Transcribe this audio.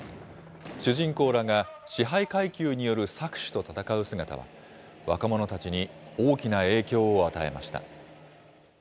主人公らが支配階級による搾取と戦う姿は、若者たちに大きな影響を与えました。